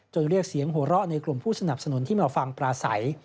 จนเรียกเสียงโหร่ในกลุ่มผู้สนับสนุนที่มาฟังปราศัย